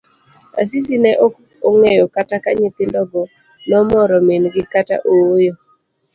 Asisi ne ok ong'eyo kata ka nyithindo go nomoro min gi kata ooyo.